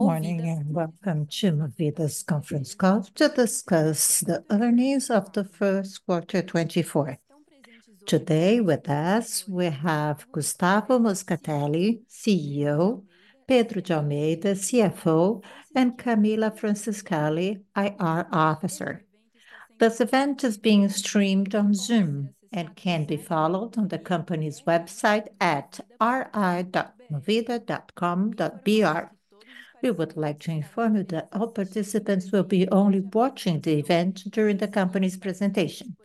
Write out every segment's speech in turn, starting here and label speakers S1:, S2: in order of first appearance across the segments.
S1: Morning and welcome to Movida's Conference Call to discuss the earnings of the first quarter 2024. Today with us we have Gustavo Moscatelli, CEO, Pedro de Almeida, CFO, and Camila Franceschini, IRR Officer. This event is being streamed on Zoom and can be followed on the company's website at ri.movida.com.br. We would like to inform you that all participants will be only watching the event during the company's presentation.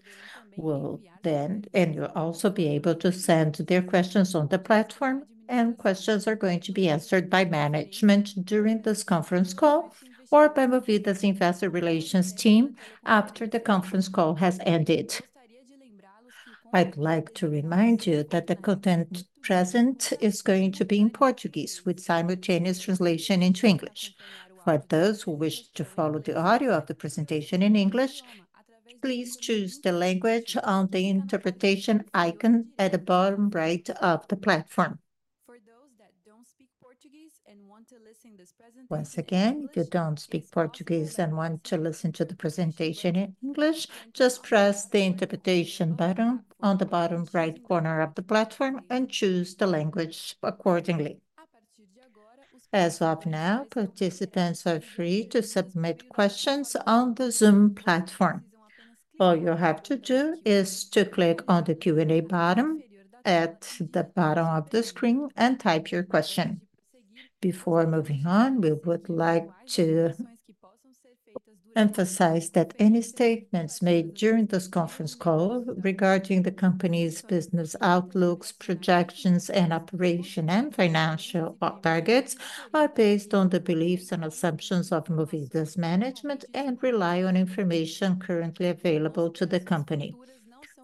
S1: We'll then and you'll also be able to send their questions on the platform, and questions are going to be answered by management during this conference call or by Movida's Investor Relations team after the conference call has ended. I'd like to remind you that the content present is going to be in Portuguese with simultaneous translation into English. For those who wish to follow the audio of the presentation in English, please choose the language on the interpretation icon at the bottom right of the platform. Once again, if you don't speak Portuguese and want to listen to the presentation in English, just press the interpretation button on the bottom right corner of the platform and choose the language accordingly. As of now, participants are free to submit questions on the Zoom platform. All you have to do is to click on the Q&A button at the bottom of the screen and type your question. Before moving on, we would like to emphasize that any statements made during this conference call regarding the company's business outlooks, projections, and operation and financial targets are based on the beliefs and assumptions of Movida's management and rely on information currently available to the company.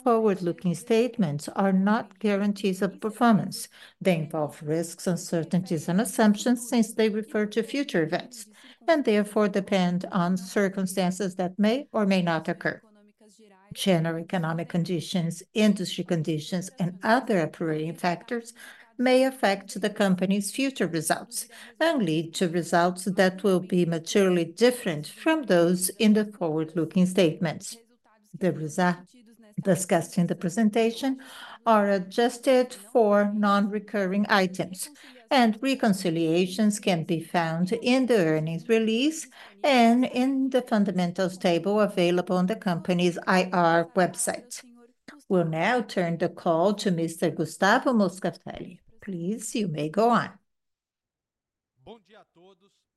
S1: Forward-looking statements are not guarantees of performance. They involve risks, uncertainties, and assumptions since they refer to future events and therefore depend on circumstances that may or may not occur. General economic conditions, industry conditions, and other operating factors may affect the company's future results and lead to results that will be materially different from those in the forward-looking statements. The results discussed in the presentation are adjusted for non-recurring items, and reconciliations can be found in the earnings release and in the fundamentals table available on the company's Iwebsite. We'll now turn the call to Mr. Gustavo Moscatelli. Please, you may go on.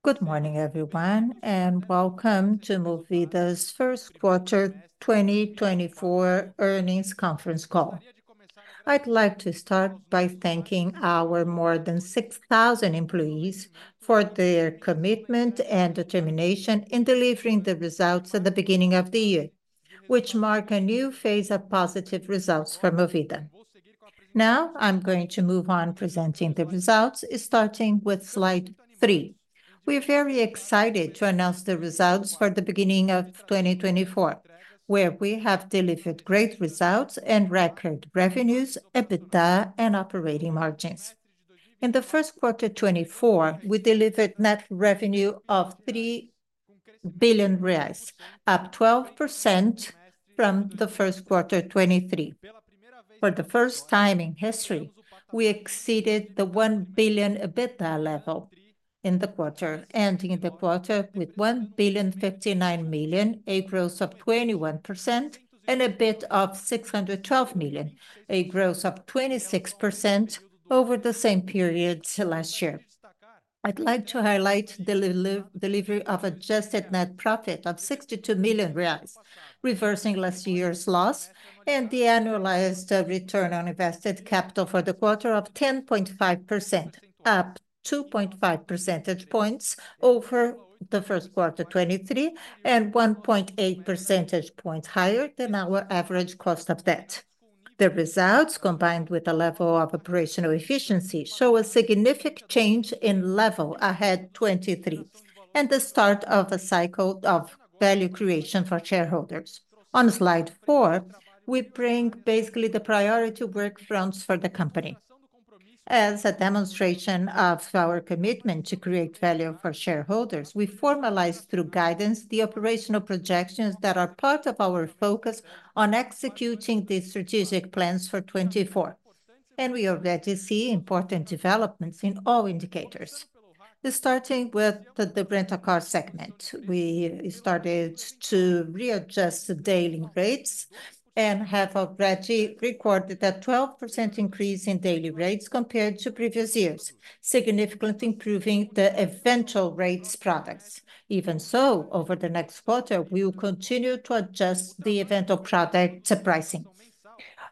S2: Good morning, everyone, and welcome to Movida's first quarter 2024 earnings conference call. I'd like to start by thanking our more than 6,000 employees for their commitment and determination in delivering the results at the beginning of the year, which mark a new phase of positive results for Movida. Now I'm going to move on presenting the results, starting with slide 3. We're very excited to announce the results for the beginning of 2024, where we have delivered great results and record revenues, EBITDA, and operating margins. In the first quarter 2024, we delivered net revenue of 3,000,000,000 reais, up 12% from the first quarter 2023. For the first time in history, we exceeded the 1,000,000,000 EBITDA level in the quarter, ending the quarter with 1,590,000,000, a growth of 21%, and EBIT of 612,000,000 a growth of 26% over the same period last year. I'd like to highlight the delivery of adjusted net profit of 62,000,000 reais, reversing last year's loss, and the annualized return on invested capital for the quarter of 10.5%, up 2.5 percentage points over the first quarter 2023 and 1.8 percentage points higher than our average cost of debt. The results, combined with a level of operational efficiency, show a significant change in level ahead 2023 and the start of a cycle of value creation for shareholders. On slide 4, we bring basically the priority work fronts for the company. As a demonstration of our commitment to create value for shareholders, we formalize through guidance the operational projections that are part of our focus on executing the strategic plans for 2024, and we already see important developments in all indicators. Starting with the rental car segment, we started to readjust daily rates and have already recorded a 12% increase in daily rates compared to previous years, significantly improving the Eventual rates products. Even so, over the next quarter, we will continue to adjust the Eventual product pricing.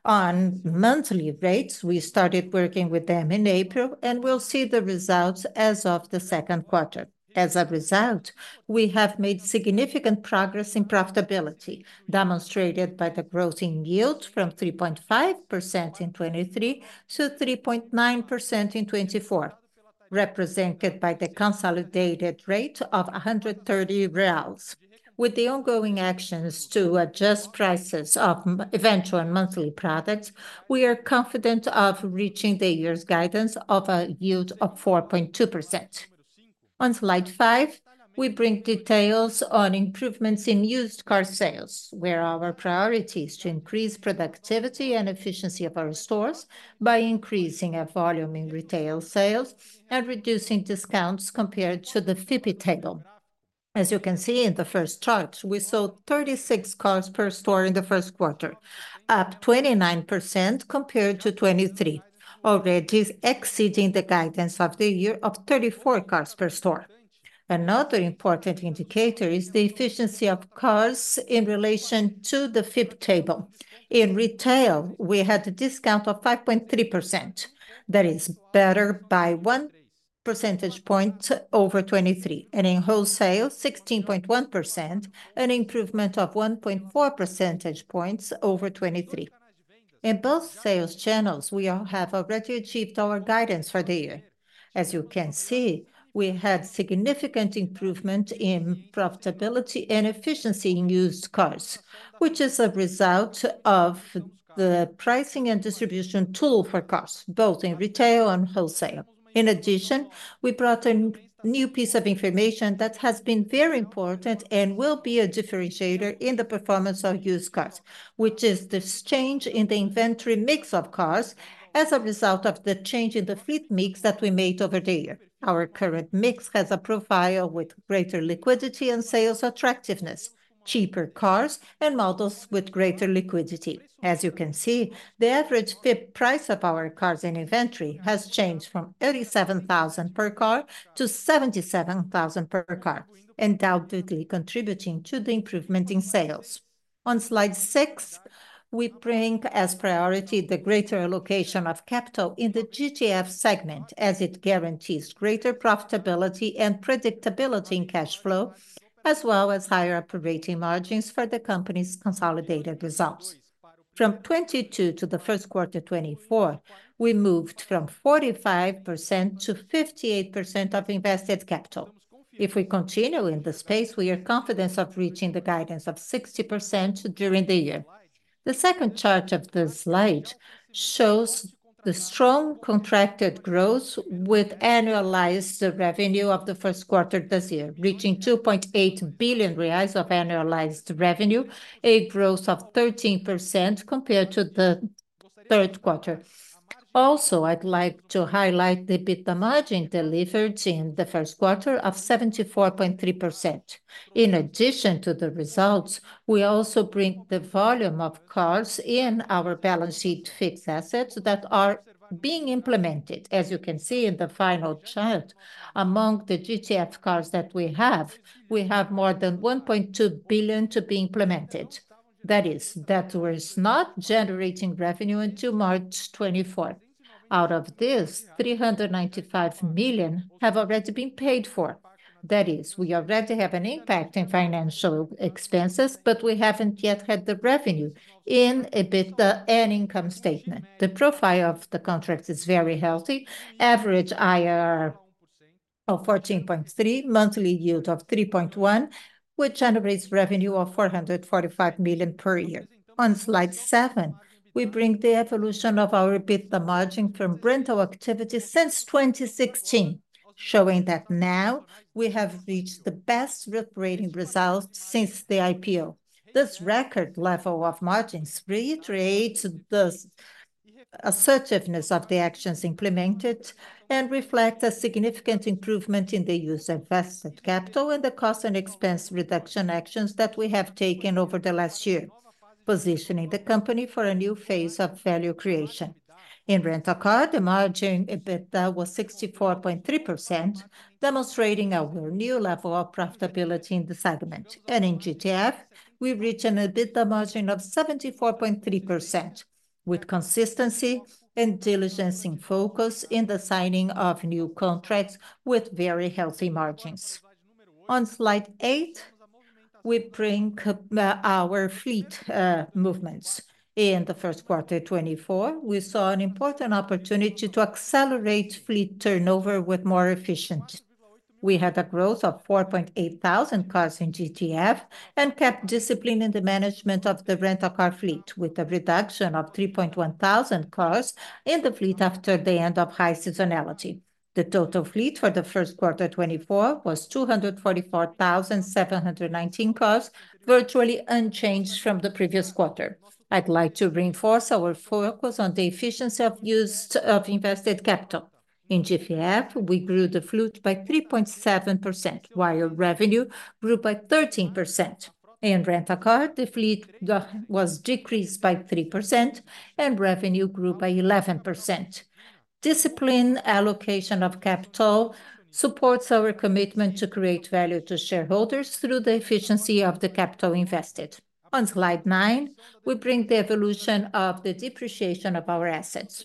S2: On monthly rates, we started working with them in April, and we'll see the results as of the second quarter. As a result, we have made significant progress in profitability, demonstrated by the growth in yield from 3.5% in 2023 to 3.9% in 2024, represented by the consolidated rate of 130 reais. With the ongoing actions to adjust prices of Eventual monthly products, we are confident of reaching the year's guidance of a yield of 4.2%. On slide 5, we bring details on improvements in used car sales, where our priority is to increase productivity and efficiency of our stores by increasing volume in retail sales and reducing discounts compared to the FIPE table. As you can see in the first chart, we sold 36 cars per store in the first quarter, up 29% compared to 2023, already exceeding the guidance of the year of 34 cars per store. Another important indicator is the efficiency of cars in relation to the FIPE table. In retail, we had a discount of 5.3%, that is better by 1 percentage point over 2023, and in wholesale 16.1%, an improvement of 1.4 percentage points over 2023. In both sales channels, we have already achieved our guidance for the year. As you can see, we had significant improvement in profitability and efficiency in used cars, which is a result of the pricing and distribution tool for cars, both in retail and wholesale. In addition, we brought a new piece of information that has been very important and will be a differentiator in the performance of used cars, which is the change in the inventory mix of cars as a result of the change in the fleet mix that we made over the year. Our current mix has a profile with greater liquidity and sales attractiveness, cheaper cars, and models with greater liquidity. As you can see, the average FIPE price of our cars in inventory has changed from 37,000 per car to 77,000 per car, undoubtedly contributing to the improvement in sales. On slide 6, we bring as priority the greater allocation of capital in the GTF segment, as it guarantees greater profitability and predictability in cash flow, as well as higher operating margins for the company's consolidated results. From 2022 to the first quarter 2024, we moved from 45%-58% of invested capital. If we continue in this pace, we are confident of reaching the guidance of 60% during the year. The second chart of this slide shows the strong contracted growth with annualized revenue of the first quarter this year, reaching 2,800,000,000 reais of annualized revenue, a growth of 13% compared to the third quarter. Also, I'd like to highlight the EBITDA margin delivered in the first quarter of 74.3%. In addition to the results, we also bring the volume of cars in our balance sheet fixed assets that are being implemented. As you can see in the final chart, among the GTF cars that we have, we have more than 1,200,000,000 to be implemented. That is, that we're not generating revenue until March 2024. Out of this, 395,000,000 have already been paid for. That is, we already have an impact in financial expenses, but we haven't yet had the revenue in EBITDA and income statement. The profile of the contract is very healthy, average IRR of 14.3, monthly yield of 3.1, which generates revenue of 445,000,000 per year. On slide 7, we bring the evolution of our EBITDA margin from rental activity since 2016, showing that now we have reached the best operating results since the IPO. This record level of margins reiterates the assertiveness of the actions implemented and reflects a significant improvement in the use of invested capital and the cost and expense reduction actions that we have taken over the last year, positioning the company for a new phase of value creation. In rental car, the margin EBITDA was 64.3%, demonstrating our new level of profitability in the segment. And in GTF, we reached an EBITDA margin of 74.3%, with consistency and diligence in focus in the signing of new contracts with very healthy margins. On slide 8, we bring our fleet movements. In the first quarter 2024, we saw an important opportunity to accelerate fleet turnover with more efficiency. We had a growth of 4,800 cars in GTF and kept discipline in the management of the rental car fleet, with a reduction of 3,100 cars in the fleet after the end of high seasonality. The total fleet for the first quarter 2024 was 244,719 cars, virtually unchanged from the previous quarter. I'd like to reinforce our focus on the efficiency of used invested capital. In GTF, we grew the fleet by 3.7%, while revenue grew by 13%. In rental car, the fleet was decreased by 3%, and revenue grew by 11%. Discipline allocation of capital supports our commitment to create value to shareholders through the efficiency of the capital invested. On slide 9, we bring the evolution of the depreciation of our assets.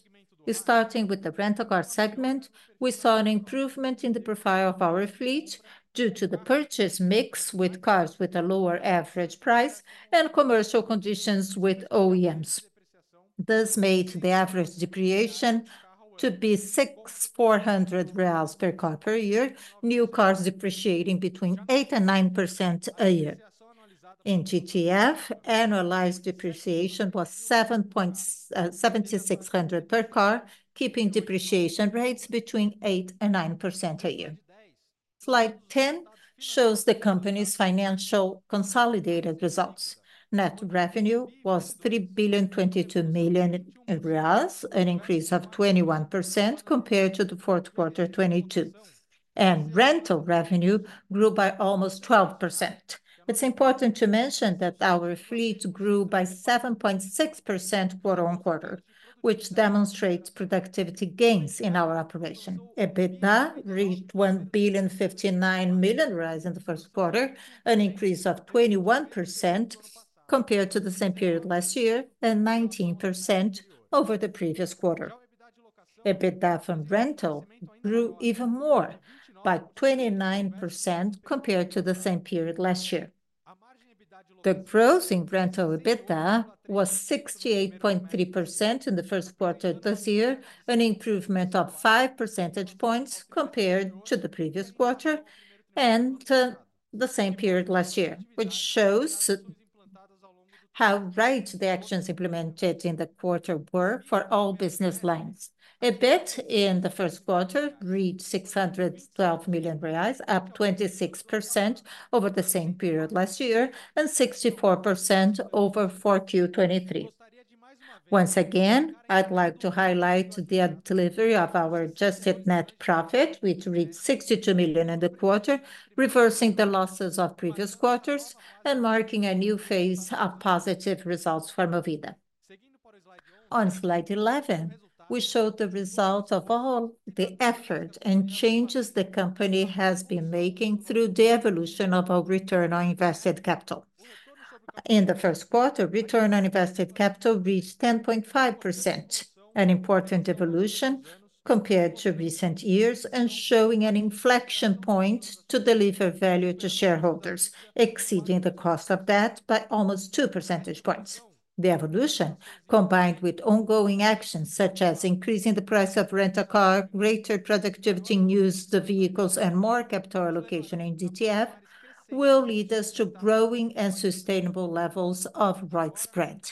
S2: Starting with the rental car segment, we saw an improvement in the profile of our fleet due to the purchase mix with cars with a lower average price and commercial conditions with OEMs. This made the average depreciation to be 6,400 reais per car per year, new cars depreciating between 8%-9% a year. In GTF, annualized depreciation was 7,600 per car, keeping depreciation rates between 8%-9% a year. Slide 10 shows the company's financial consolidated results. Net revenue was 3,022,000,000, an increase of 21% compared to the fourth quarter 2022, and rental revenue grew by almost 12%. It's important to mention that our fleet grew by 7.6% quarter-over-quarter, which demonstrates productivity gains in our operation. EBITDA reached BRL 1.0591,059,000,000 in the first quarter, an increase of 21% compared to the same period last year and 19% over the previous quarter. EBITDA from rental grew even more by 29% compared to the same period last year. The growth in rental EBITDA was 68.3% in the first quarter this year, an improvement of 5 percentage points compared to the previous quarter and the same period last year, which shows how right the actions implemented in the quarter were for all business lines. EBIT in the first quarter reached 612,000,000 reais, up 26% over the same period last year and 64% over 4Q23. Once again, I'd like to highlight the delivery of our adjusted net profit, which reached BRL 62,000,000ion in the quarter, reversing the losses of previous quarters and marking a new phase of positive results for Movida. On slide 11, we showed the results of all the effort and changes the company has been making through the evolution of our return on invested capital. In the first quarter, return on invested capital reached 10.5%, an important evolution compared to recent years and showing an inflection point to deliver value to shareholders, exceeding the cost of debt by almost 2 percentage points. The evolution, combined with ongoing actions such as increasing the price of rental car, greater productivity in used vehicles, and more capital allocation in GTF, will lead us to growing and sustainable levels of ROICI spread.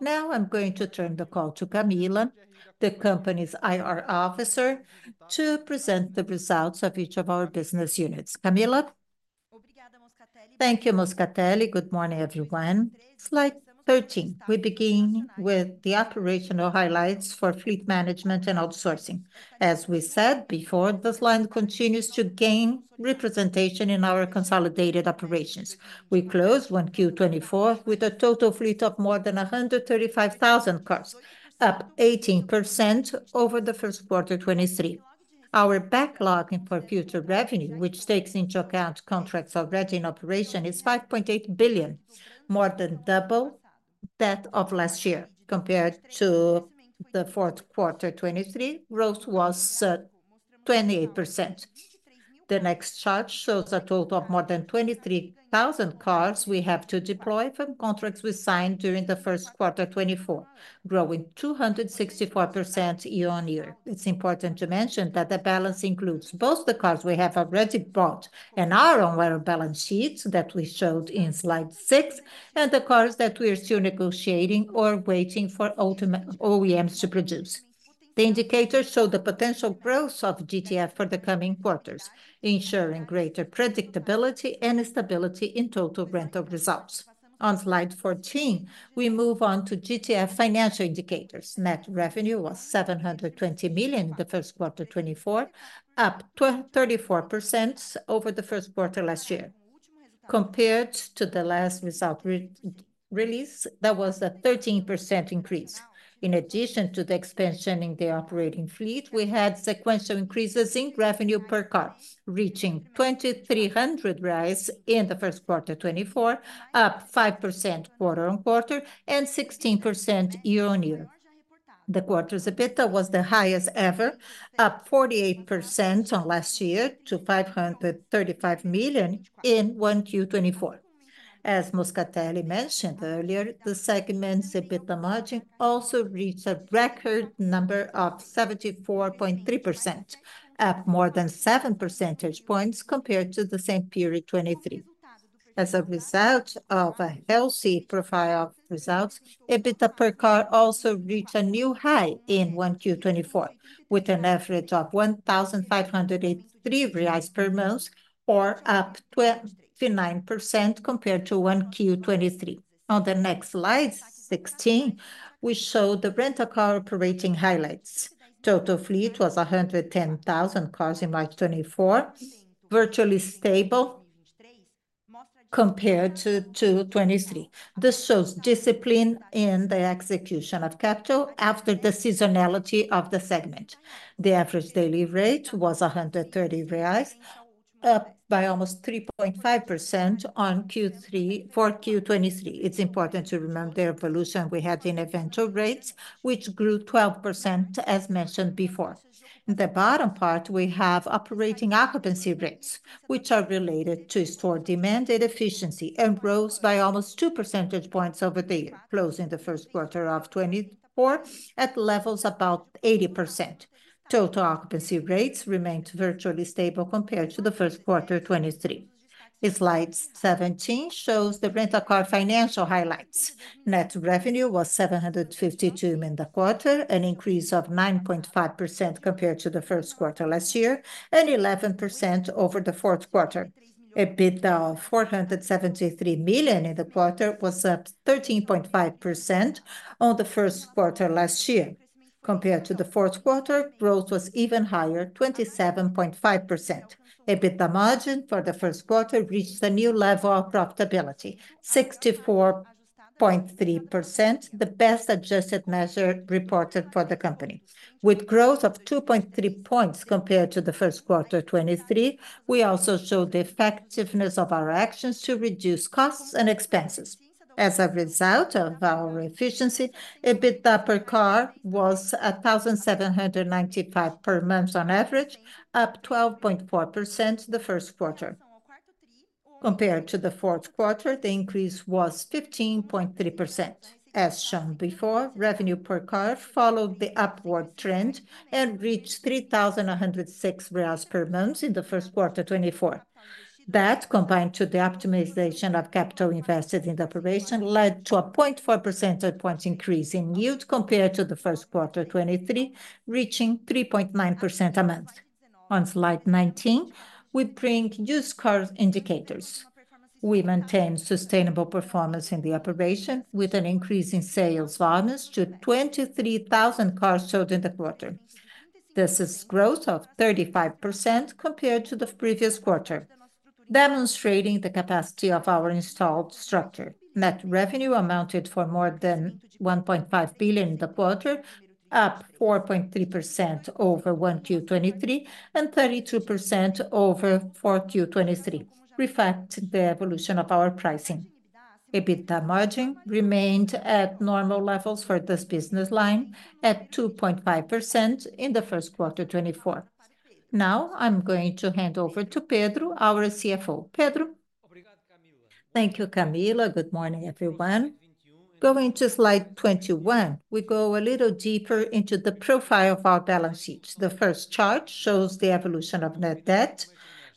S2: Now I'm going to turn the call to Camila, the company's IR officer, to present the results of each of our business units. Camila.
S3: Thank you, Moscatelli. Good morning, everyone. Slide 13, we begin with the operational highlights for fleet management and outsourcing. As we said before, this line continues to gain representation in our consolidated operations. We closed 1Q24 with a total fleet of more than 135,000 cars, up 18% over the first quarter 2023. Our backlog for future revenue, which takes into account contracts already in operation, is 5,800,000,000, more than double that of last year. Compared to the fourth quarter 2023, growth was 28%. The next chart shows a total of more than 23,000 cars we have to deploy from contracts we signed during the first quarter 2024, growing 264% year-on-year. It's important to mention that the balance includes both the cars we have already bought and are on our balance sheets that we showed in slide 6, and the cars that we're still negotiating or waiting for OEMs to produce. The indicators show the potential growth of GTF for the coming quarters, ensuring greater predictability and stability in total rental results. On slide 14, we move on to GTF financial indicators. Net revenue was 720,000,000 in the first quarter 2024, up 34% over the first quarter last year. Compared to the last result release, that was a 13% increase. In addition to the expansion in the operating fleet, we had sequential increases in revenue per car, reaching 2,300 in the first quarter 2024, up 5% quarter-over-quarter and 16% year-over-year. The quarter's EBITDA was the highest ever, up 48% on last year to 535,000,000 in 1Q2024. As Moscatelli mentioned earlier, the segment's EBITDA margin also reached a record number of 74.3%, up more than 7 percentage points compared to the same period 2023. As a result of a healthy profile of results, EBITDA per car also reached a new high in 1Q2024, with an average of 1,583 reais per month, or up 29% compared to 1Q2023. On the next slide 16, we show the rental car operating highlights. Total fleet was 110,000 cars in March 2024, virtually stable compared to 2023. This shows discipline in the execution of capital after the seasonality of the segment. The average daily rate was 130 reais, up by almost 3.5% on Q3 for Q23. It's important to remember the evolution we had in eventual rates, which grew 12%, as mentioned before. In the bottom part, we have operating occupancy rates, which are related to store demand and efficiency and rose by almost 2 percentage points over the year, closing the first quarter of 2024 at levels about 80%. Total occupancy rates remained virtually stable compared to the first quarter 2023. Slide 17 shows the rental car financial highlights. Net revenue was 752,000,000 in the quarter, an increase of 9.5% compared to the first quarter last year and 11% over the fourth quarter. EBITDA of 473,000,000 in the quarter was up 13.5% on the first quarter last year. Compared to the fourth quarter, growth was even higher, 27.5%. EBITDA margin for the first quarter reached a new level of profitability, 64.3%, the best adjusted measure reported for the company. With growth of 2.3 points compared to the first quarter 2023, we also showed the effectiveness of our actions to reduce costs and expenses. As a result of our efficiency, EBITDA per car was 1,795 per month on average, up 12.4% the first quarter. Compared to the fourth quarter, the increase was 15.3%. As shown before, revenue per car followed the upward trend and reached 3,106 reais per month in the first quarter 2024. That, combined to the optimization of capital invested in the operation, led to a 0.4% increase in yield compared to the first quarter 2023, reaching 3.9% a month. On slide 19, we bring used cars indicators. We maintain sustainable performance in the operation with an increase in sales volumes to 23,000 cars sold in the quarter. This is growth of 35% compared to the previous quarter, demonstrating the capacity of our installed structure. Net revenue amounted for more than 1,500,000,000 in the quarter, up 4.3% over 1Q23 and 32% over 4Q23, reflecting the evolution of our pricing. EBITDA margin remained at normal levels for this business line, at 2.5% in the first quarter 2024. Now I'm going to hand over to Pedro, our CFO. Pedro.
S4: Thank you, Camila. Good morning, everyone. Going to slide 21, we go a little deeper into the profile of our balance sheets. The first chart shows the evolution of net debt,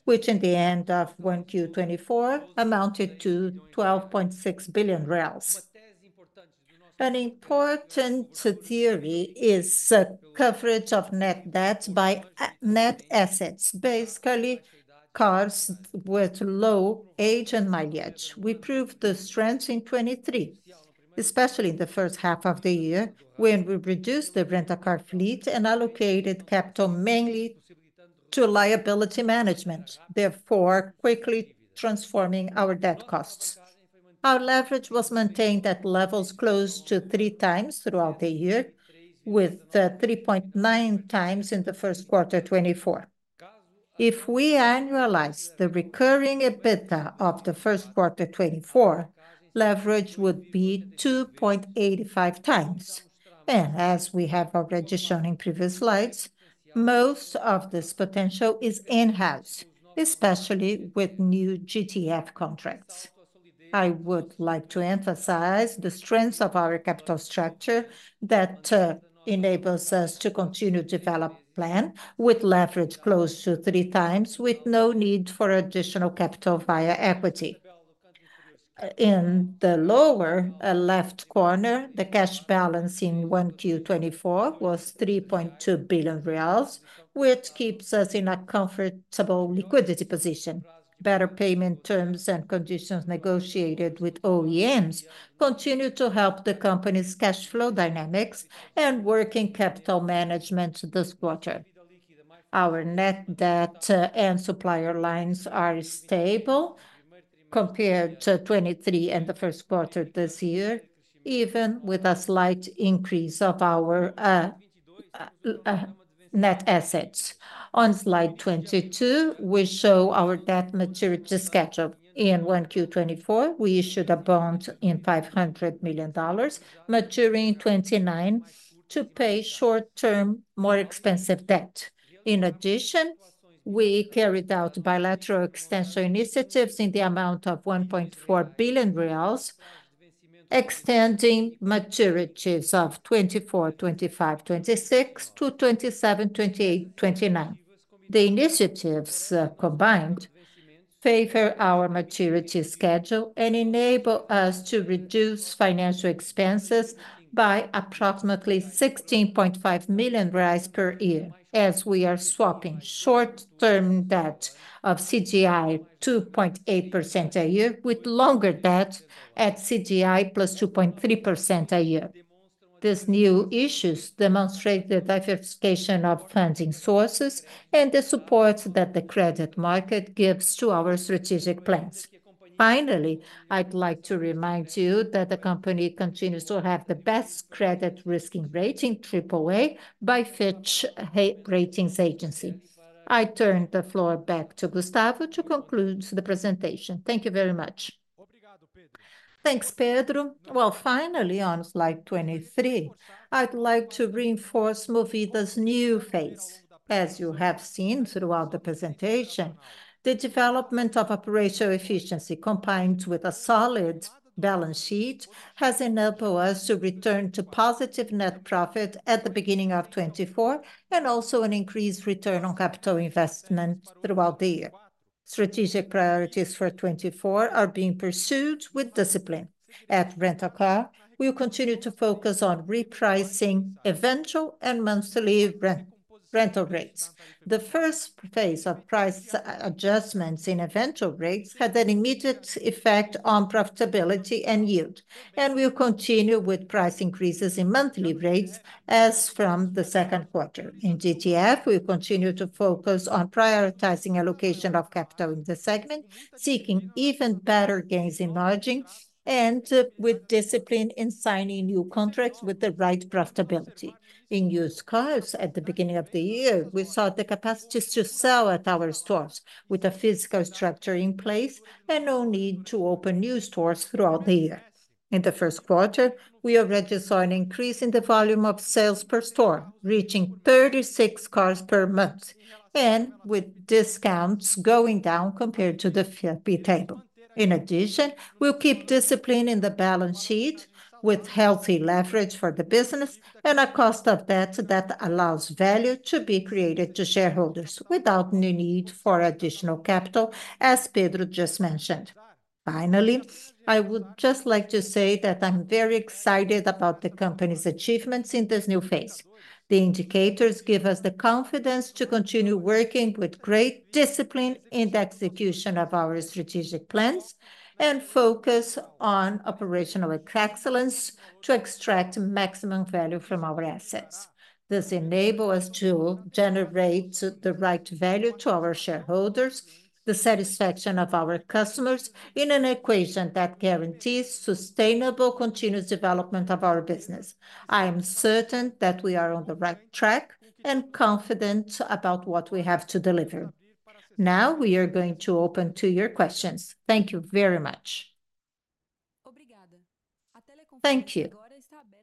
S4: which in the end of 1Q24 amounted to 12,600,000,000 reais. An important theory is the coverage of net debt by net assets, basically cars with low age and mileage. We proved the strength in 2023, especially in the first half of the year, when we reduced the rental car fleet and allocated capital mainly to liability management, therefore quickly transforming our debt costs. Our leverage was maintained at levels close to 3x throughout the year, with 3.9x in the first quarter 2024. If we annualize the recurring EBITDA of the first quarter 2024, leverage would be 2.85x. As we have already shown in previous slides, most of this potential is in-house, especially with new GTF contracts. I would like to emphasize the strength of our capital structure that enables us to continue to develop a plan with leverage close to 3x, with no need for additional capital via equity. In the lower left corner, the cash balance in 1Q24 was 3,200,000,000 reais, which keeps us in a comfortable liquidity position. Better payment terms and conditions negotiated with OEMs continue to help the company's cash flow dynamics and working capital management this quarter. Our net debt and supplier lines are stable compared to 2023 in the first quarter this year, even with a slight increase of our net assets. On slide 22, we show our debt maturity schedule. In 1Q24, we issued a bond in $500,000,000, maturing in 2029 to pay short-term, more expensive debt. In addition, we carried out bilateral extension initiatives in the amount of 1,400,000,000 reais, extending maturities of 2024, 2025, 2026 to 2027, 2028, 2029. The initiatives combined favor our maturity schedule and enable us to reduce financial expenses by approximately 16,500,000 per year. As we are swapping short-term debt of CDI 2.8% a year with longer debt at CDI + 2.3% a year. These new issues demonstrate the diversification of funding sources and the support that the credit market gives to our strategic plans. Finally, I'd like to remind you that the company continues to have the best credit risk rating, AAA, by Fitch Ratings. I turn the floor back to Gustavo to conclude the presentation. Thank you very much.
S2: Thanks, Pedro. Well, finally, on slide 23, I'd like to reinforce Movida's new phase. As you have seen throughout the presentation, the development of operational efficiency combined with a solid balance sheet has enabled us to return to positive net profit at the beginning of 2024 and also an increased return on capital investment throughout the year. Strategic priorities for 2024 are being pursued with discipline. At rental car, we'll continue to focus on repricing Eventual and Monthly rental rates. The first phase of price adjustments in Eventual rates had an immediate effect on profitability and yield, and we'll continue with price increases in Monthly rates as from the second quarter. In GTF, we continue to focus on prioritizing allocation of capital in the segment, seeking even better gains in margin, and with discipline in signing new contracts with the right profitability. In used cars, at the beginning of the year, we saw the capacities to sell at our stores with a physical structure in place and no need to open new stores throughout the year. In the first quarter, we already saw an increase in the volume of sales per store, reaching 36 cars per month, and with discounts going down compared to the FIPE table. In addition, we'll keep discipline in the balance sheet with healthy leverage for the business and a cost of debt that allows value to be created to shareholders without new need for additional capital, as Pedro just mentioned. Finally, I would just like to say that I'm very excited about the company's achievements in this new phase. The indicators give us the confidence to continue working with great discipline in the execution of our strategic plans and focus on operational excellence to extract maximum value from our assets. This enables us to generate the right value to our shareholders, the satisfaction of our customers, in an equation that guarantees sustainable continuous development of our business. I am certain that we are on the right track and confident about what we have to deliver. Now we are going to open to your questions. Thank you very much.
S1: Thank you.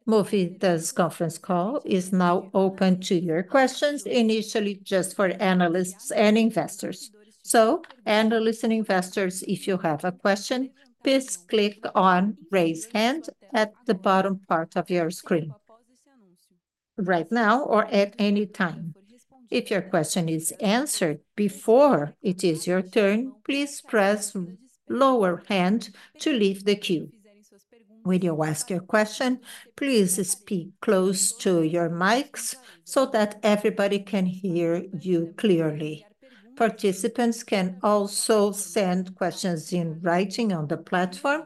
S1: Movida's conference call is now open to your questions, initially just for analysts and investors. So, analysts and investors, if you have a question, please click on "Raise Hand" at the bottom part of your screen right now or at any time. If your question is answered before it is your turn, please press "Lower Hand" to leave the queue. When you ask your question, please speak close to your mics so that everybody can hear you clearly. Participants can also send questions in writing on the platform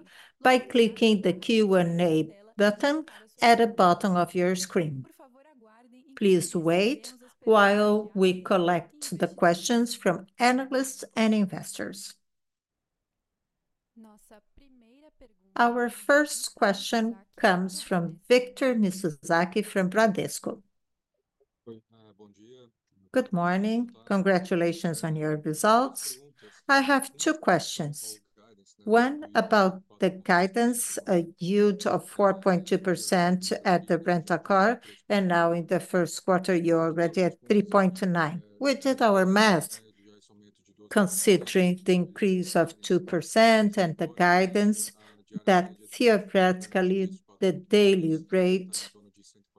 S1: by clicking the Q&A button at the bottom of your screen. Please wait while we collect the questions from analysts and investors. Our first question comes from Victor Mizusaki from Bradesco BBI.
S5: Good morning. Congratulations on your results. I have two questions. One about the guidance: a yield of 4.2% at the rental car, and now in the first quarter you're already at 3.9. We did our math, considering the increase of 2% and the guidance that theoretically the daily rate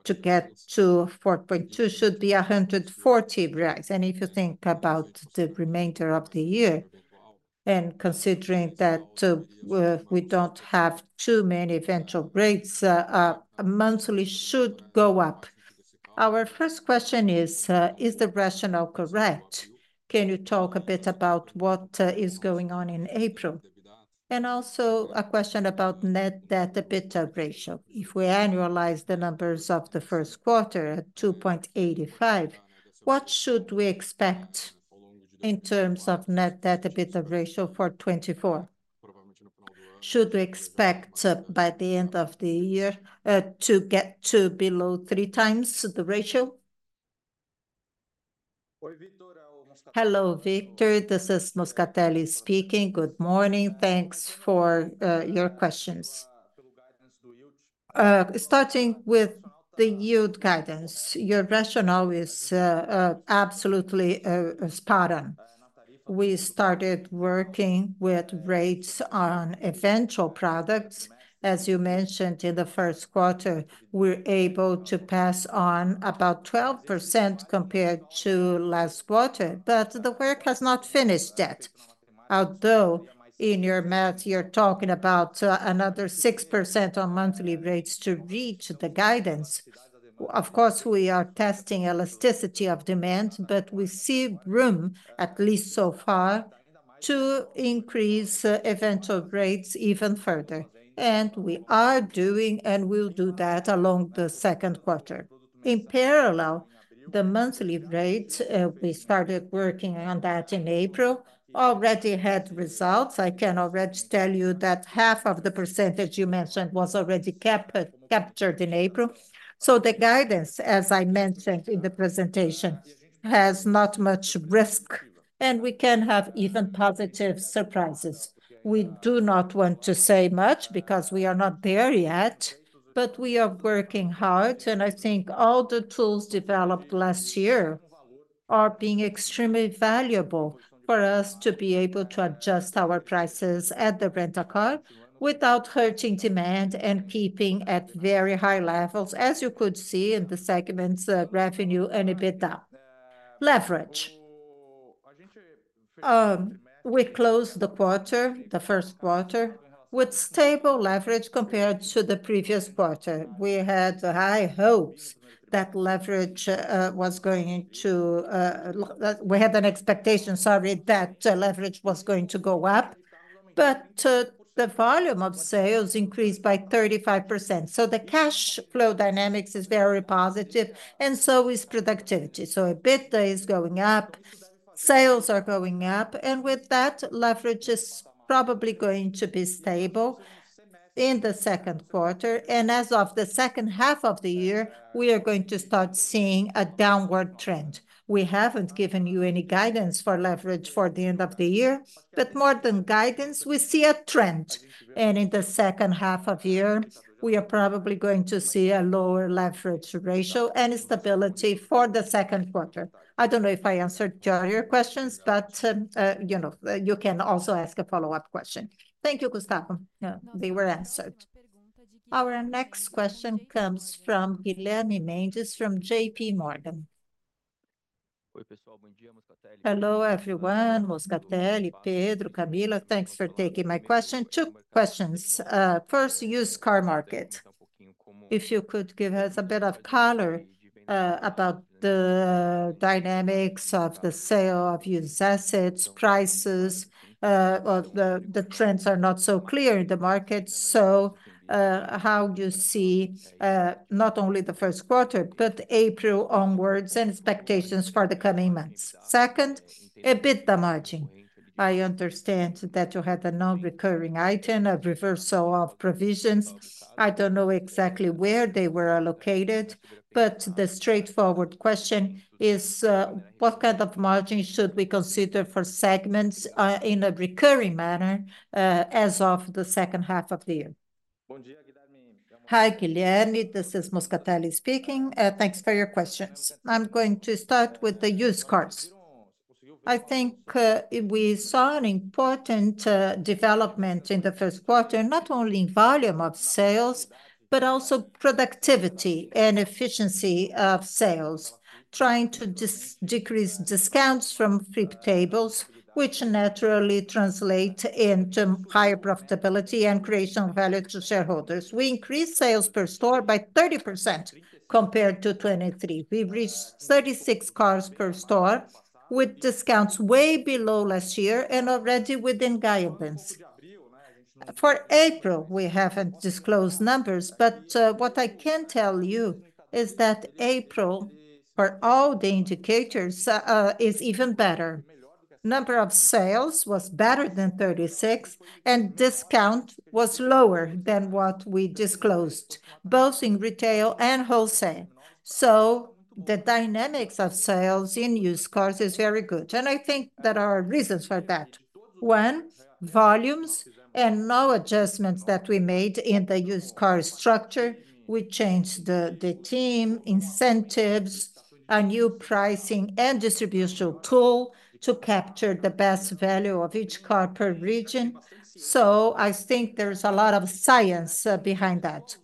S5: to get to 4.2 should be 140. If you think about the remainder of the year, and considering that we don't have too many Eventual rates, Monthly should go up. Our first question is: is the rationale correct? Can you talk a bit about what is going on in April? And also a question about net debt/EBITDA ratio. If we annualize the numbers of the first quarter at 2.85, what should we expect in terms of net debt/EBITDA ratio for 2024? Should we expect by the end of the year to get to below 3 times the ratio?
S2: Hello, Victor. This is Moscatelli speaking. Good morning. Thanks for your questions. Starting with the yield guidance, your rationale is absolutely spot on. We started working with rates on Eventual products. As you mentioned, in the first quarter we're able to pass on about 12% compared to last quarter, but the work has not finished yet. Although in your math you're talking about another 6% on monthly rates to reach the guidance. Of course, we are testing elasticity of demand, but we see room, at least so far, to increase eventual rates even further. We are doing, and we'll do that along the second quarter. In parallel, the monthly rates, we started working on that in April, already had results. I can already tell you that half of the percentage you mentioned was already captured in April. So the guidance, as I mentioned in the presentation, has not much risk, and we can have even positive surprises. We do not want to say much because we are not there yet, but we are working hard, and I think all the tools developed last year are being extremely valuable for us to be able to adjust our prices at the rental car without hurting demand and keeping at very high levels, as you could see in the segments: revenue and EBITDA. Leverage. We closed the quarter, the first quarter, with stable leverage compared to the previous quarter. We had high hopes that leverage was going to—we had an expectation, sorry, that leverage was going to go up. But the volume of sales increased by 35%. So the cash flow dynamics are very positive, and so is productivity. So EBITDA is going up. Sales are going up, and with that, leverage is probably going to be stable in the second quarter. And as of the second half of the year, we are going to start seeing a downward trend. We haven't given you any guidance for leverage for the end of the year, but more than guidance, we see a trend. And in the second half of the year, we are probably going to see a lower leverage ratio and stability for the second quarter. I don't know if I answered your questions, but you know, you can also ask a follow-up question.
S5: Thank you, Gustavo. They were answered.
S1: Our next question comes from \ Guilherme Mendes from J.P. Morgan.
S6: Hello, everyone. Moscatelli, Pedro, Camila. Thanks for taking my question. Two questions. First, used car market. If you could give us a bit of color about the dynamics of the sale of used assets, prices of the trends are not so clear in the market. So, how you see, not only the first quarter but April onwards and expectations for the coming months. Second, EBITDA margin. I understand that you had a non-recurring item, a reversal of provisions. I don't know exactly where they were allocated, but the straightforward question is, what kind of margin should we consider for segments, in a recurring manner, as of the second half of the year?
S2: Hi, Guilherme. This is Moscatelli speaking. Thanks for your questions. I'm going to start with the used cars. I think, we saw an important, development in the first quarter, not only in volume of sales but also productivity and efficiency of sales, trying to decrease discounts from FIPE tables, which naturally translate into higher profitability and creation of value to shareholders. We increased sales per store by 30% compared to 2023. We reached 36 cars per store with discounts way below last year and already within guidance. For April, we haven't disclosed numbers, but what I can tell you is that April, for all the indicators, is even better. The number of sales was better than 36, and discount was lower than what we disclosed, both in retail and wholesale. So the dynamics of sales in used cars are very good, and I think there are reasons for that. One, volumes and no adjustments that we made in the used car structure. We changed the team, incentives, a new pricing and distribution tool to capture the best value of each car per region. So I think there's a lot of science behind that.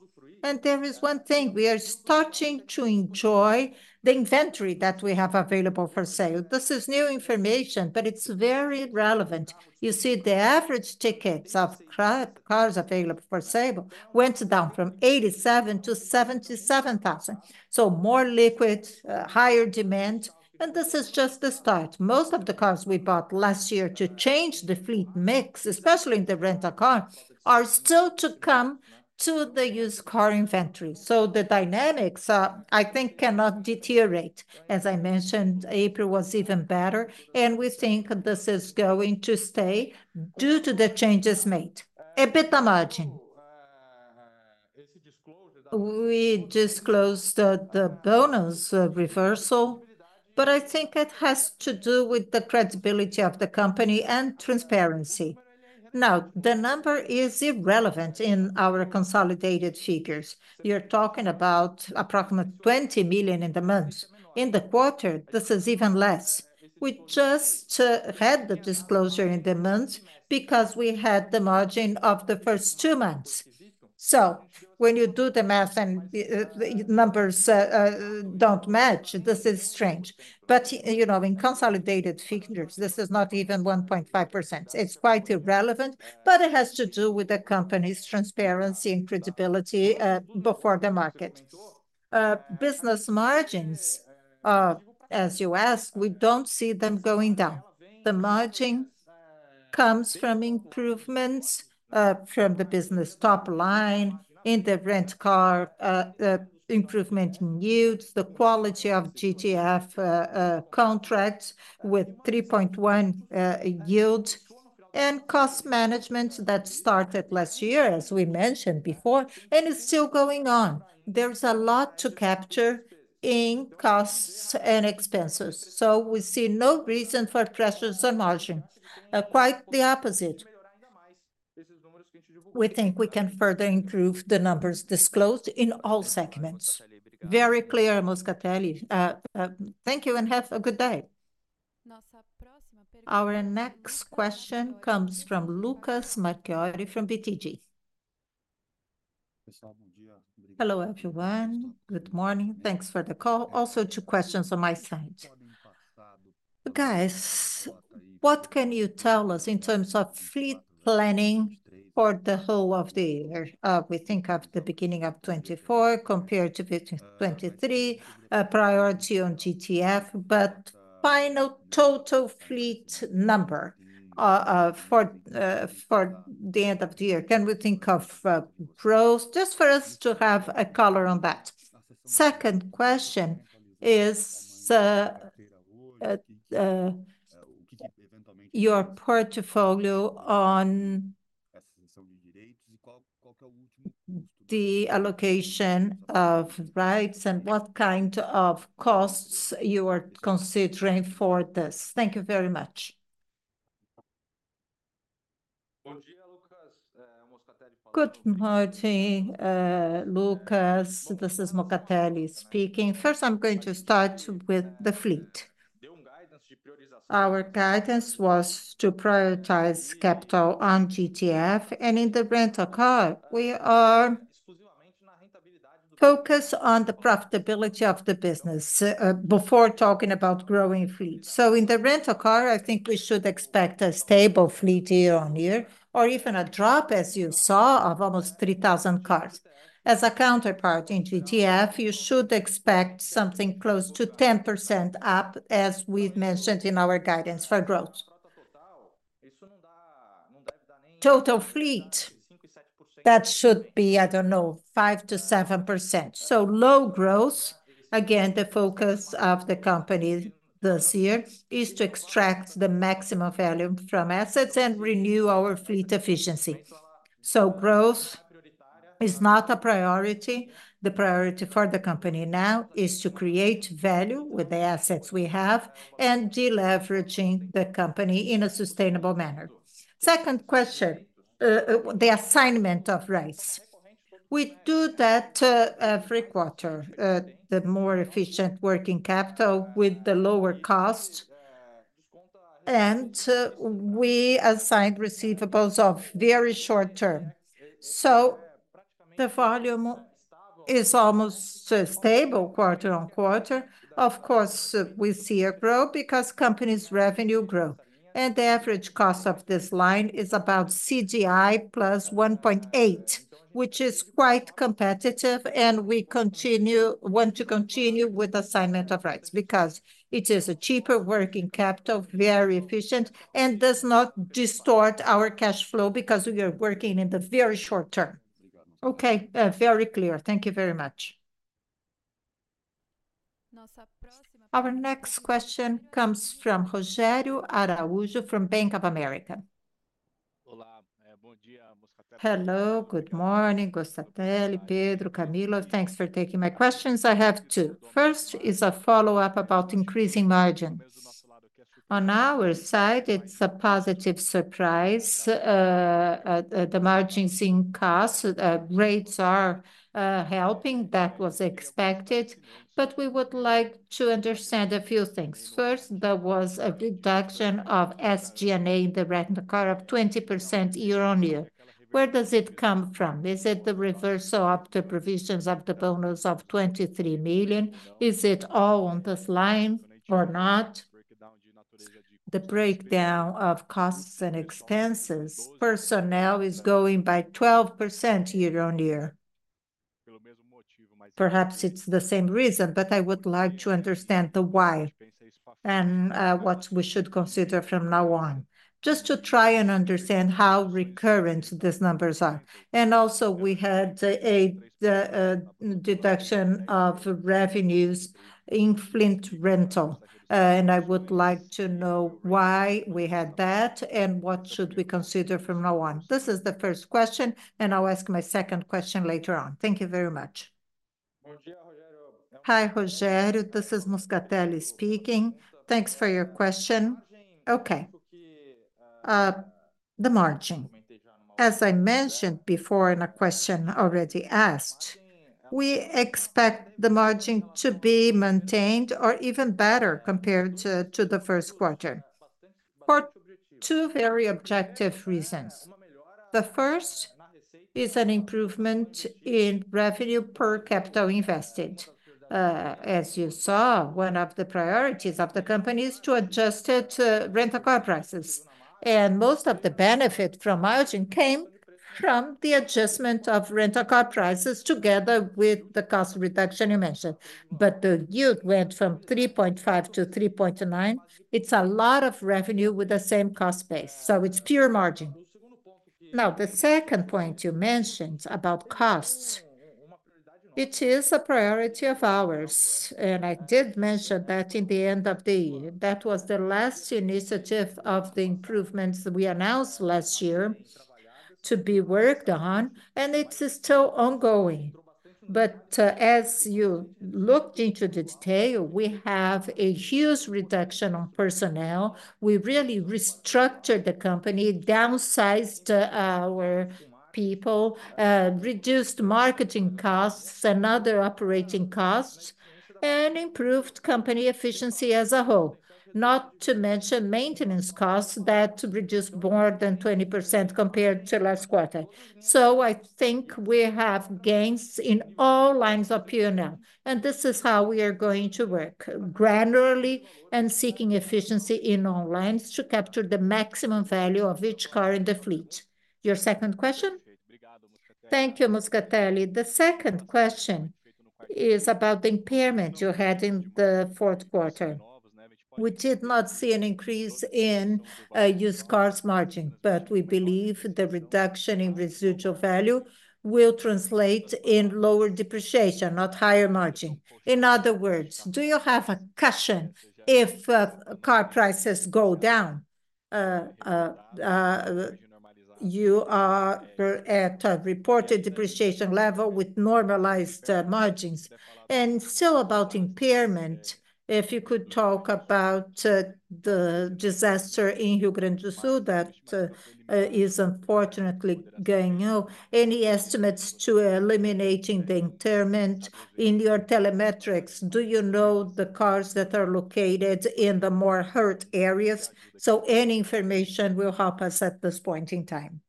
S2: And there is one thing: we are starting to enjoy the inventory that we have available for sale. This is new information, but it's very relevant. You see, the average tickets of cars available for sale went down from 87,000 to 77,000. So more liquid, higher demand, and this is just the start. Most of the cars we bought last year to change the fleet mix, especially in the rental car, are still to come to the used car inventory. So the dynamics, I think, cannot deteriorate. As I mentioned, April was even better, and we think this is going to stay due to the changes made. EBITDA margin. We disclosed the bonus reversal, but I think it has to do with the credibility of the company and transparency. Now, the number is irrelevant in our consolidated figures. You're talking about approximately BRL 20,000,000n in the month. In the quarter, this is even less. We just had the disclosure in the month because we had the margin of the first two months. So when you do the math and the numbers don't match, this is strange. But, you know, in consolidated figures, this is not even 1.5%. It's quite irrelevant, but it has to do with the company's transparency and credibility before the market. Business margins, as you asked, we don't see them going down. The margin comes from improvements from the business top line in the rental car, improvement in yields, the quality of GTF contracts with 3.1 yields, and cost management that started last year, as we mentioned before, and is still going on. There's a lot to capture in costs and expenses. So we see no reason for pressures on margin. Quite the opposite. We think we can further improve the numbers disclosed in all segments.
S6: Very clear, Moscatelli. Thank you and have a good day.
S1: Our next question comes from Lucas Marquiori from BTG. Hello, everyone. Good morning.
S7: Thanks for the call. Also, two questions on my side. Guys, what can you tell us in terms of fleet planning for the whole of the year? We think of the beginning of 2024 compared to 2023, a priority on GTF, but final total fleet number for the end of the year. Can we think of growth? Just for us to have a color on that. Second question is your portfolio on the allocation of rights and what kind of costs you are considering for this. Thank you very much.
S2: Good morning, Lucas. This is Moscatelli speaking. First, I'm going to start with the fleet. Our guidance was to prioritize capital on GTF, and in the rental car, we are focused on the profitability of the business before talking about growing fleets. So in the rental car, I think we should expect a stable fleet year-on-year, or even a drop, as you saw, of almost 3,000 cars. As a counterpart in GTF, you should expect something close to 10% up, as we've mentioned in our guidance for growth. Total fleet that should be, I don't know, 5%-7%. So low growth. Again, the focus of the company this year is to extract the maximum value from assets and renew our fleet efficiency. So growth is not a priority. The priority for the company now is to create value with the assets we have and deleveraging the company in a sustainable manner. Second question, the assignment of rights. We do that every quarter. The more efficient working capital with the lower cost. And we assign receivables of very short term. So the volume is almost stable quarter-on-quarter. Of course, we see a growth because companies' revenue grow, and the average cost of this line is about CDI plus 1.8, which is quite competitive, and we continue want to continue with assignment of rights because it is a cheaper working capital, very efficient, and does not distort our cash flow because we are working in the very short term. \
S7: Okay, very clear. Thank you very much.
S1: Our next question comes from Rogério Araújo, from Bank of America.
S8: Hello, good morning, Gustavo, Pedro, Camila. Thanks for taking my questions. I have two. First is a follow-up about increasing margins. On our side, it's a positive surprise. The margins in cost rates are helping. That was expected. But we would like to understand a few things. First, there was a reduction of SG&A in the rental car of 20% year-over-year. Where does it come from? Is it the reversal of the provisions of the bonus of 23,000,000? Is it all on this line or not?
S9: The breakdown of costs and expenses. Personnel is going by 12% year-over-year. Perhaps it's the same reason, but I would like to understand the why and what we should consider from now on. Just to try and understand how recurrent these numbers are. Also, we had a deduction of revenues in fleet rental, and I would like to know why we had that and what should we consider from now on. This is the first question, and I'll ask my second question later on. Thank you very much.
S2: Hi, Rogério. This is Moscatelli speaking. Thanks for your question. Okay. The margin. As I mentioned before in a question already asked, we expect the margin to be maintained or even better compared to the first quarter. For two very objective reasons. The first is an improvement in revenue per capital invested. As you saw, one of the priorities of the company is to adjust rental car prices. Most of the benefit from margin came from the adjustment of rental car prices together with the cost reduction you mentioned. The yield went from 3.5-3.9. It's a lot of revenue with the same cost base. It's pure margin. Now, the second point you mentioned about costs. It is a priority of ours, and I did mention that in the end of the year. That was the last initiative of the improvements we announced last year to be worked on, and it is still ongoing. As you looked into the detail, we have a huge reduction on personnel. We really restructured the company, downsized our people, reduced marketing costs and other operating costs, and improved company efficiency as a whole. Not to mention maintenance costs that reduced more than 20% compared to last quarter. So I think we have gains in all lines of P&L, and this is how we are going to work, granularly, and seeking efficiency in all lines to capture the maximum value of each car in the fleet. Your second question?
S8: Thank you, Moscatelli. The second question is about the impairment you had in the fourth quarter. We did not see an increase in used cars margin, but we believe the reduction in residual value will translate in lower depreciation, not higher margin. In other words, do you have a cushion if car prices go down? You are at a reported depreciation level with normalized margins. And still about impairment, if you could talk about the disaster in Rio Grande do Sul that is unfortunately going on, any estimates to eliminating the impairment in your Seminovos? Do you know the cars that are located in the more hurt areas? So any information will help us at this point in time.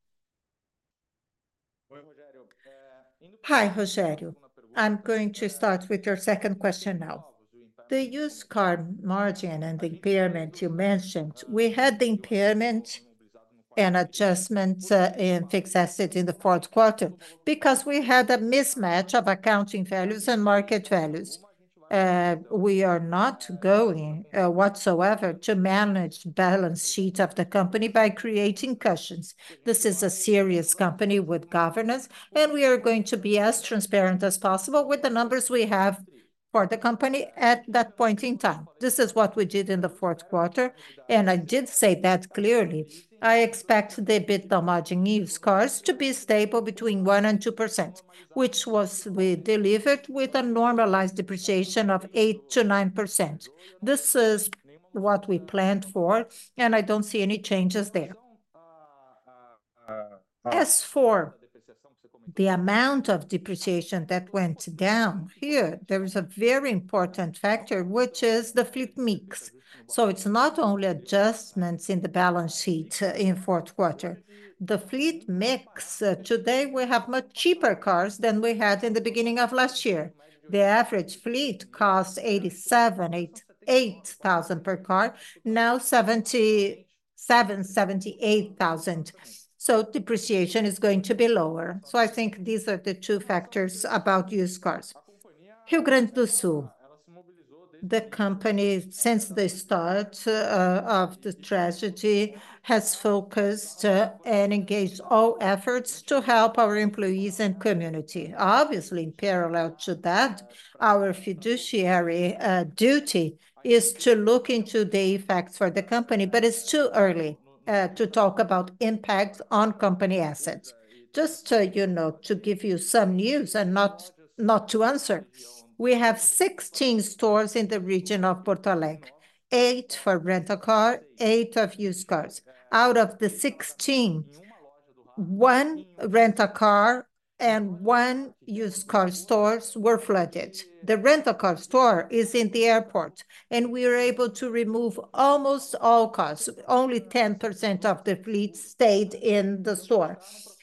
S2: Hi, Rogério. I'm going to start with your second question now. The used car margin and the impairment you mentioned. We had the impairment and adjustment in fixed assets in the fourth quarter because we had a mismatch of accounting values and market values. We are not going whatsoever to manage the balance sheet of the company by creating cushions. This is a serious company with governance, and we are going to be as transparent as possible with the numbers we have for the company at that point in time. This is what we did in the fourth quarter, and I did say that clearly. I expect the EBITDA margin in used cars to be stable between 1%-2%, which was delivered with a normalized depreciation of 8%-9%. This is what we planned for, and I don't see any changes there. As for the amount of depreciation that went down here, there is a very important factor, which is the fleet mix. So it's not only adjustments in the balance sheet in the fourth quarter. The fleet mix today, we have much cheaper cars than we had in the beginning of last year. The average fleet costs 87,000 per car, now 77,000-78,000. So depreciation is going to be lower. So I think these are the two factors about used cars. Rio Grande do Sul. The company, since the start of the tragedy, has focused and engaged all efforts to help our employees and community. Obviously, in parallel to that, our fiduciary duty is to look into the effects for the company, but it's too early to talk about impacts on company assets. Just so you know, to give you some news and not to answer. We have 16 stores in the region of Porto Alegre, 8 for rental cars, 8 of used cars. Out of the 16, one rental car and one used car stores were flooded. The rental car store is in the airport, and we were able to remove almost all cars. Only 10% of the fleet stayed in the store.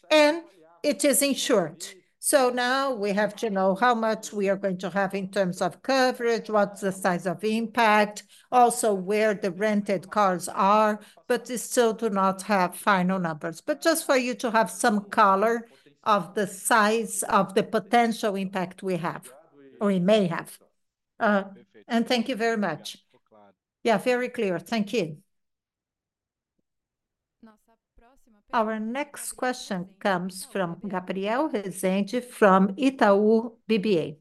S2: And it is insured. So now we have to know how much we are going to have in terms of coverage, what's the size of impact, also where the rented cars are, but still do not have final numbers. But just for you to have some color of the size of the potential impact we have or we may have.
S8: Thank you very much. Yeah, very clear. Thank you.
S1: Our next question comes from Gabriel Rezende from Itaú BBA.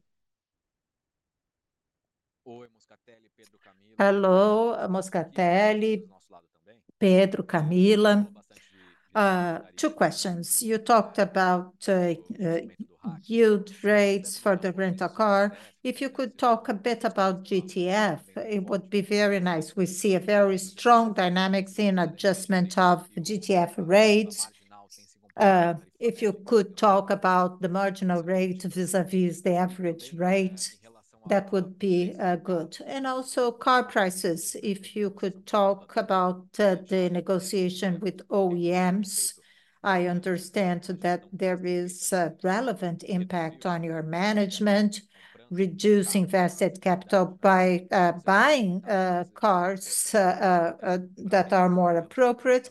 S10: Hello, Moscatelli. Pedro, Camila. Two questions. You talked about yield rates for the rental car. If you could talk a bit about GTF, it would be very nice. We see a very strong dynamics in adjustment of GTF rates. If you could talk about the marginal rate vis-à-vis the average rate, that would be good. And also car prices, if you could talk about the negotiation with OEMs. I understand that there is a relevant impact on your management, reducing vested capital by buying cars that are more appropriate.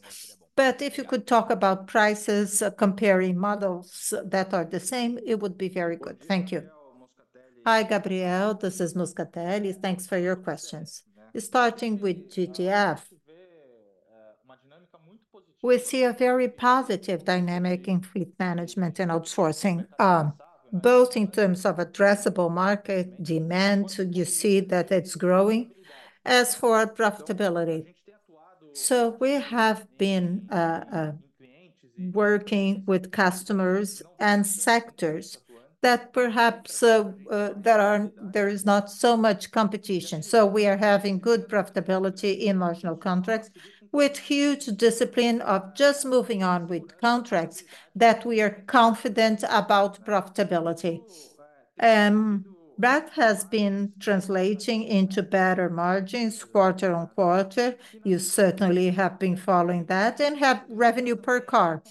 S10: But if you could talk about prices comparing models that are the same, it would be very good. Thank you.
S6: Hi, Gabriel. This is Moscatelli. Thanks for your questions. Starting with GTF. We see a very positive dynamic in fleet management and outsourcing, both in terms of addressable market demand. You see that it's growing. As for profitability. So we have been working with customers and sectors that perhaps there is not so much competition. So we are having good profitability in marginal contracts with huge discipline of just moving on with contracts that we are confident about profitability. And that has been translating into better margins quarter on quarter. You certainly have been following that and have revenue per car.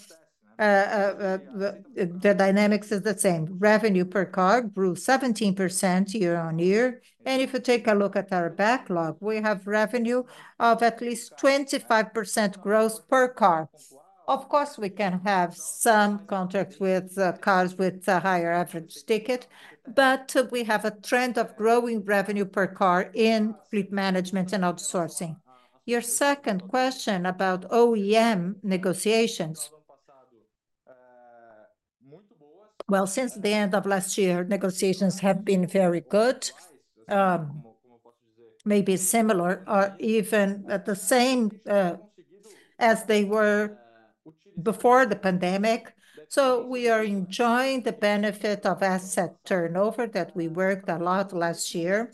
S6: The dynamics are the same. Revenue per car grew 17% year-on-year. If you take a look at our backlog, we have revenue of at least 25% gross per car. Of course, we can have some contracts with cars with a higher average ticket, but we have a trend of growing revenue per car in fleet management and outsourcing. Your second question about OEM negotiations. Well, since the end of last year, negotiations have been very good. Maybe similar or even the same as they were before the pandemic. We are enjoying the benefit of asset turnover that we worked a lot last year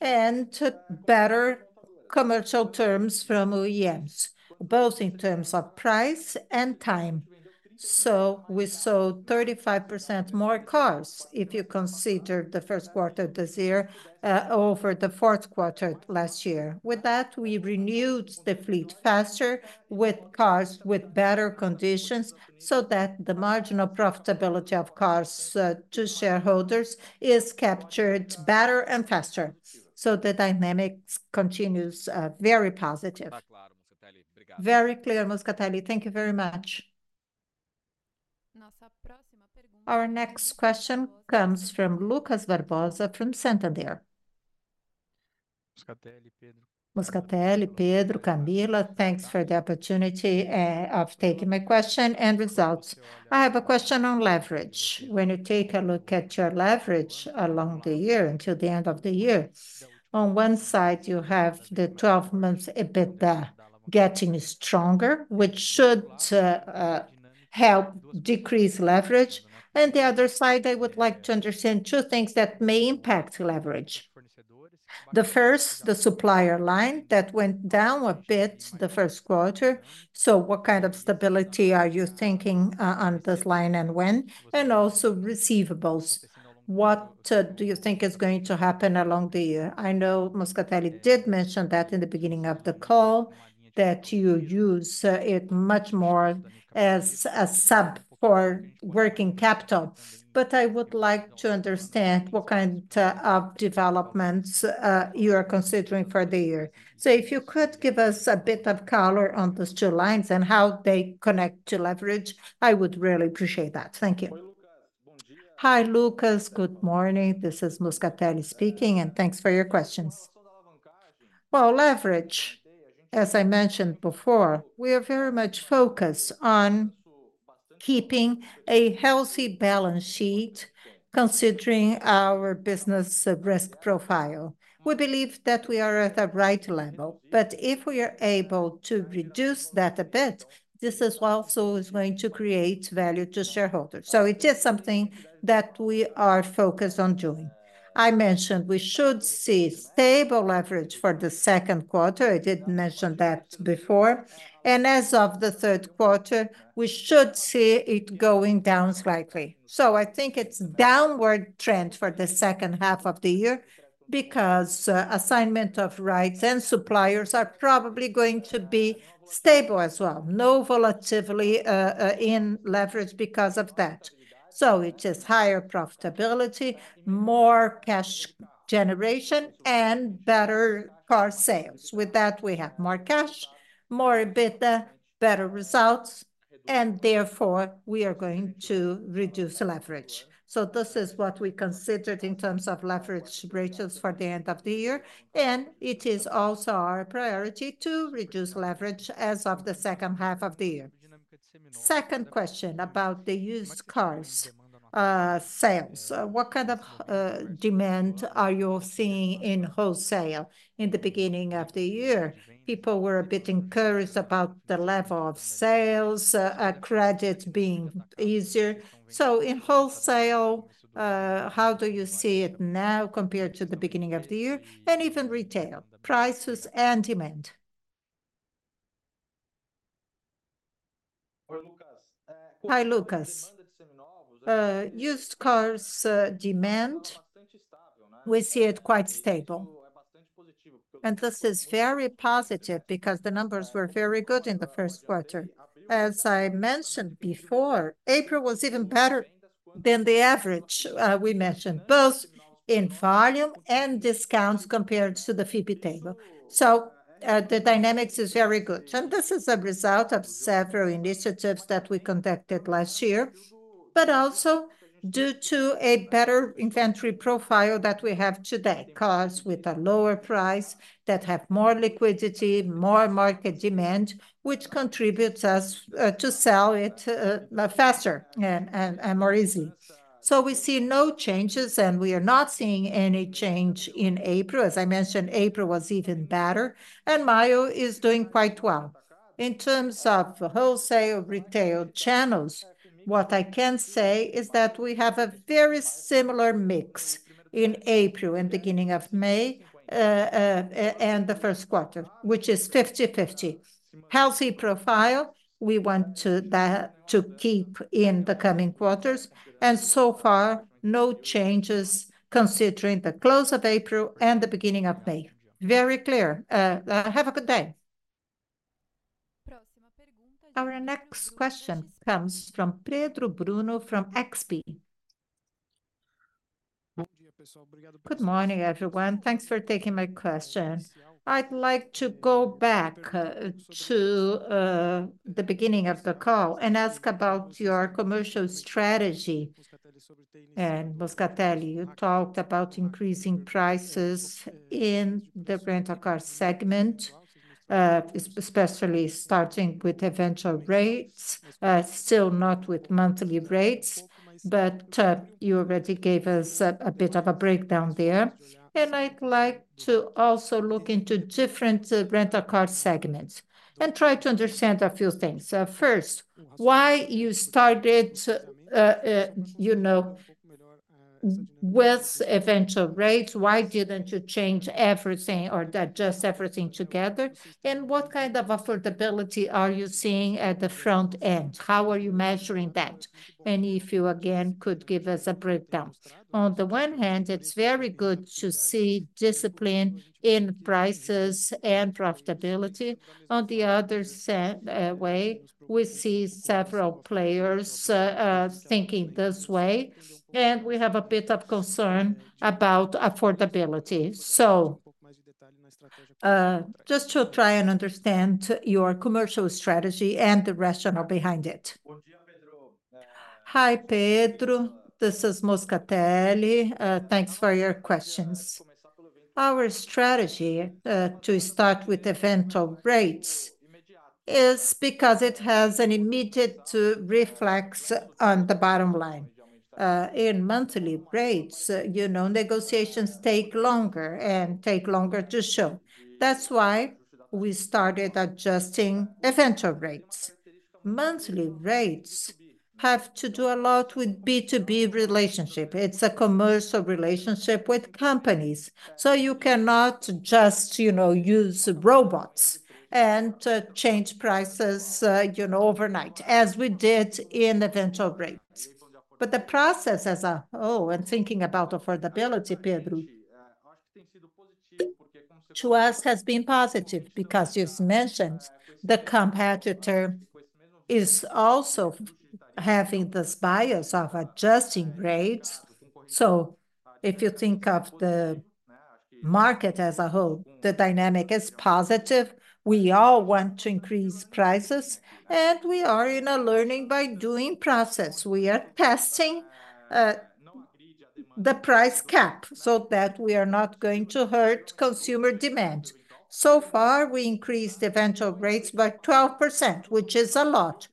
S6: and better commercial terms from OEMs, both in terms of price and time. We sold 35% more cars if you consider the first quarter of this year over the fourth quarter last year. With that, we renewed the fleet faster with cars with better conditions so that the marginal profitability of cars to shareholders is captured better and faster. So the dynamics continue very positive.
S10: Very clear, Moscatelli. Thank you very much.
S1: Our next question comes from Lucas Barbosa from Santander.
S11: Moscatelli, Pedro. Thanks for the opportunity of taking my question and results. I have a question on leverage. When you take a look at your leverage along the year until the end of the year. On one side, you have the 12-month EBITDA getting stronger, which should help decrease leverage. And the other side, I would like to understand two things that may impact leverage. The first, the supplier line that went down a bit the first quarter. So what kind of stability are you thinking on this line and when? And also receivables. What do you think is going to happen along the year? I know Moscatelli did mention that in the beginning of the call, that you use it much more as a sub for working capital. But I would like to understand what kind of developments you are considering for the year. So if you could give us a bit of color on those two lines and how they connect to leverage, I would really appreciate that. Thank you.
S2: Hi, Lucas. Good morning. This is Moscatelli speaking, and thanks for your questions. Well, leverage, as I mentioned before, we are very much focused on keeping a healthy balance sheet considering our business risk profile. We believe that we are at the right level. But if we are able to reduce that a bit, this also is going to create value to shareholders. So it is something that we are focused on doing. I mentioned we should see stable leverage for the second quarter. I didn't mention that before. As of the third quarter, we should see it going down slightly. So I think it's a downward trend for the second half of the year because assignment of rights and suppliers are probably going to be stable as well. No volatility in leverage because of that. So it is higher profitability, more cash generation, and better car sales. With that, we have more cash, more EBITDA, better results, and therefore we are going to reduce leverage. So this is what we considered in terms of leverage ratios for the end of the year. It is also our priority to reduce leverage as of the second half of the year.
S11: Second question about the used cars sales. What kind of demand are you seeing in wholesale? In the beginning of the year, people were a bit encouraged about the level of sales, credits being easier. So in wholesale, how do you see it now compared to the beginning of the year? And even retail. Prices and demand.
S2: Hi, Lucas. Used cars demand. We see it quite stable. And this is very positive because the numbers were very good in the first quarter. As I mentioned before, April was even better than the average we mentioned, both in volume and discounts compared to the FIPE Table. So the dynamics are very good. And this is a result of several initiatives that we conducted last year. But also due to a better inventory profile that we have today, cars with a lower price that have more liquidity, more market demand, which contributes us to sell it faster and more easily. So we see no changes, and we are not seeing any change in April. As I mentioned, April was even better, and May is doing quite well. In terms of wholesale retail channels, what I can say is that we have a very similar mix in April and beginning of May and the first quarter, which is 50/50. Healthy profile we want to keep in the coming quarters. And so far, no changes considering the close of April and the beginning of May.
S11: Very clear. Have a good day.
S1: Our next question comes from Pedro Bruno from XP.
S12: Good morning, everyone. Thanks for taking my question. I'd like to go back to the beginning of the call and ask about your commercial strategy. Moscatelli, you talked about increasing prices in the rental car segment, especially starting with Eventual rates, still not with Monthly rates. But you already gave us a bit of a breakdown there. I'd like to also look into different rental car segments and try to understand a few things. First, why you started, you know, with Eventual rates? Why didn't you change everything or adjust everything together? And what kind of affordability are you seeing at the front end? How are you measuring that? And if you again could give us a breakdown. On the one hand, it's very good to see discipline in prices and profitability. On the other hand, we see several players thinking this way. And we have a bit of concern about affordability. So just to try and understand your commercial strategy and the rationale behind it?
S3: Hi, Pedro. This is Moscatelli. Thanks for your questions. Our strategy to start with Eventual rates is because it has an immediate reflex on the bottom line. In Monthly rates, you know, negotiations take longer and take longer to show. That's why we started adjusting Eventual rates. Monthly rates have to do a lot with B2B relationship. It's a commercial relationship with companies. So you cannot just, you know, use robots and change prices, you know, overnight as we did in Eventual rates. But the process as a whole and thinking about affordability, Pedro. To us, it has been positive because you've mentioned the competitor is also having this bias of adjusting rates. So if you think of the market as a whole, the dynamic is positive. We all want to increase prices, and we are in a learning by doing process. We are testing the price cap so that we are not going to hurt consumer demand. So far, we increased Eventual rates by 12%, which is a lot.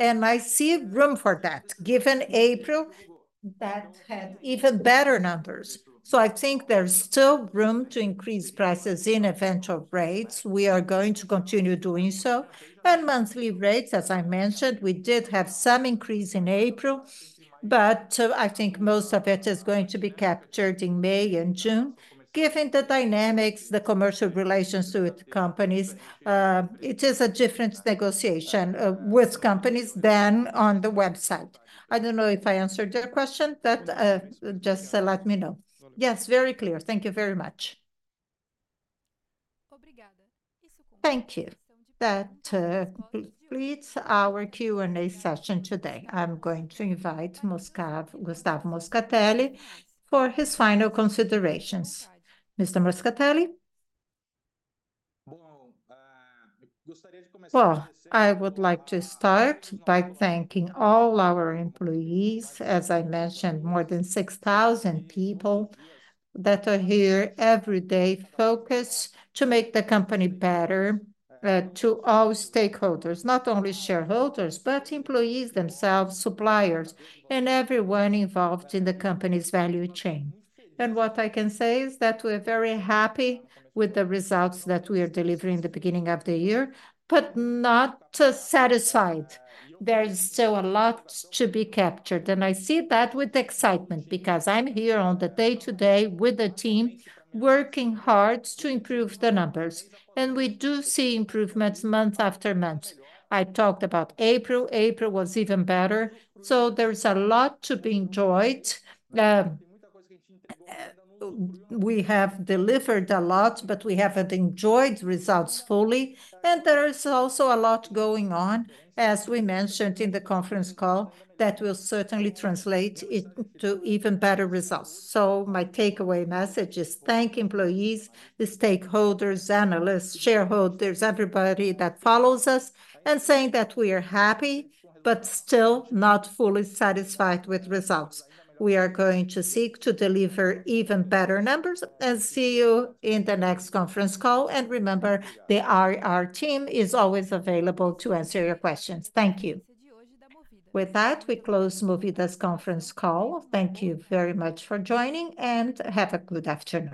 S3: And I see room for that given April that had even better numbers. So I think there's still room to increase prices in Eventual rates. We are going to continue doing so. And Monthly rates, as I mentioned, we did have some increase in April. But I think most of it is going to be captured in May and June. Given the dynamics, the commercial relations with companies, it is a different negotiation with companies than on the website. I don't know if I answered your question, but just let me know.
S12: Yes, very clear. Thank you very much.
S1: Thank you. That completes our Q&A session today. I'm going to invite Gustavo Moscatelli for his final considerations. Mr. Moscatelli.
S2: Well, I would like to start by thanking all our employees, as I mentioned, more than 6,000 people that are here every day focused to make the company better to all stakeholders, not only shareholders, but employees themselves, suppliers, and everyone involved in the company's value chain. What I can say is that we are very happy with the results that we are delivering in the beginning of the year, but not satisfied. There's still a lot to be captured. I see that with excitement because I'm here on the day-to-day with the team working hard to improve the numbers. We do see improvements month after month. I talked about April. April was even better. So there's a lot to be enjoyed. We have delivered a lot, but we haven't enjoyed results fully. There is also a lot going on, as we mentioned in the conference call, that will certainly translate into even better results. My takeaway message is thank employees, the stakeholders, analysts, shareholders, everybody that follows us, and saying that we are happy but still not fully satisfied with results. We are going to seek to deliver even better numbers and see you in the next conference call. Remember, the IR team is always available to answer your questions. Thank you.
S1: With that, we close Movida's conference call. Thank you very much for joining and have a good afternoon.